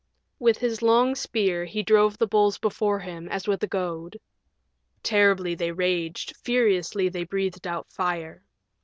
With his long spear he drove the bulls before him as with a goad. Terribly they raged, furiously they breathed out fire.